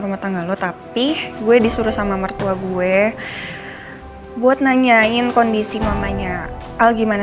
yang sudah merasakan ini semua